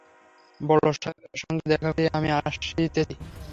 বড়োসাহেবের সঙ্গে দেখা করিয়া আমি এখনই আসিতেছি।